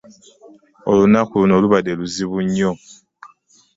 Olunaku luno lubadde luzibu nnyo.